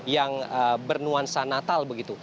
yang bernuansa natal begitu